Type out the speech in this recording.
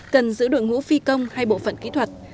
cần giữ đội ngũ phi công hay bộ phận kỹ thuật